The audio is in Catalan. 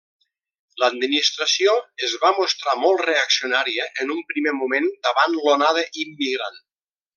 L'administració es va mostrar molt reaccionària en un primer moment davant l'onada immigrant.